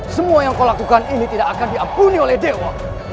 semua yang kau lakukan ini tidak akan diampuni oleh dewa